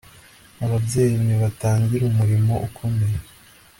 Ababyeyi nibatangire umurimo ukomeye